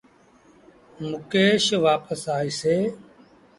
مڪيش وآپس آئيٚسي۔